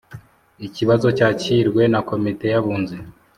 ikibazo cyakirwe na Komite y Abunzi